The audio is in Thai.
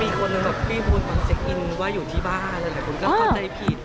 มีคนแบบพี่บูนคือเซ็คอินว่าอยู่ที่บ้านคนก็เข้าใจผิด